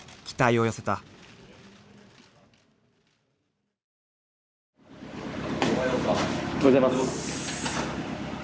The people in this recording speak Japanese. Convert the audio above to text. ・おはようございます。